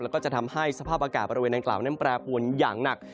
แล้วก็จะทำให้สภาพอากาศบริเวณดังกล่าวนั้นแปรปวนอย่างหนัก